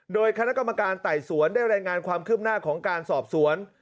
โดยคณะกรรมการไต่สวนได้รายงานความคืบหน้าของการสอบสวน